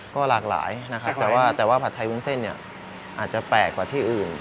ก็หลากหลายนะครับแต่ว่าผัดไทยวุ้นเส้นเนี่ยอาจจะแปลกกว่าที่อื่น